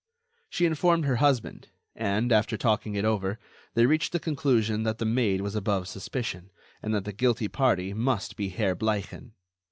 She informed her husband, and, after talking it over, they reached the conclusion that the maid was above suspicion, and that the guilty party must be Herr Bleichen.